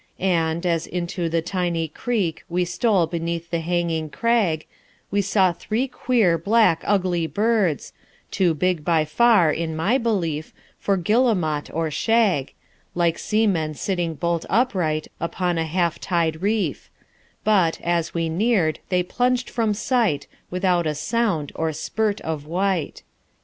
And, as into the tiny creek We stole beneath the hanging crag, We saw three queer, black, ugly birds— Too big, by far, in my belief, For guillemot or shag— Like seamen sitting bolt upright Upon a half tide reef: But, as we neared, they plunged from sight, Without a sound, or spurt of white.